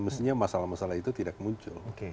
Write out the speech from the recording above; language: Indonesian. mestinya masalah masalah itu tidak muncul